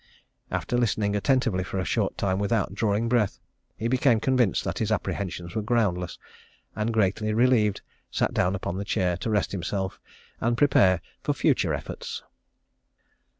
After listening attentively for a short time without drawing breath, he became convinced that his apprehensions were groundless, and, greatly relieved, sat down upon the chair to rest himself and prepare for future efforts.